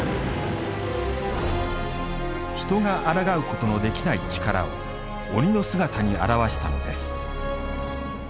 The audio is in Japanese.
人があらがうことのできない力を鬼の姿に表したのです。